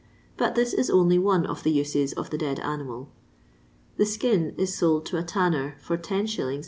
But this is only one of the uses of the dead animal. The skin is sold to a tanner for 10s. 6<2.